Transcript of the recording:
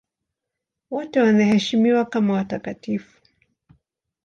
Wote wanaheshimiwa kama watakatifu.